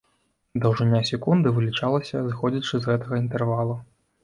Даўжыня секунды вылічалася зыходзячы з гэтага інтэрвалу.